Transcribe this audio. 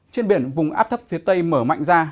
trên biển vùng áp thấp phía tây mở mạnh ra